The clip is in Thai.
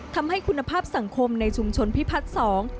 ทำให้คุณภาพสังคมในชุมชนพิพัฒน์สอง